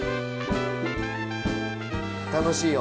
楽しいよ。